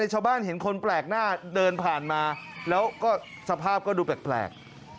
ชาวบ้านเห็นคนแปลกหน้าเดินผ่านมาแล้วก็สภาพก็ดูแปลก